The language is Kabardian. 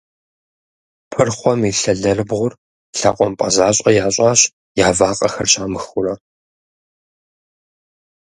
Пырхъуэм илъ алэрыбгъур лъэкъуампӏэ защӏэ ящӏащ, я вакъэхэр щамыхыурэ.